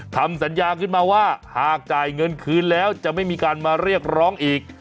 ทำสัญญาขึ้นมาว่าหากจ่ายเงินคืนแล้วจะไม่มีการมาเรียกร้องอีก